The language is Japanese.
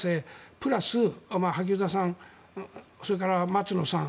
プラス萩生田さん、それから松野さん